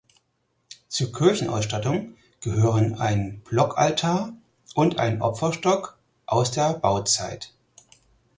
Zur Kirchenausstattung gehören ein Blockaltar und ein Opferstock aus der Bauzeit.